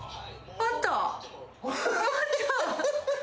あった！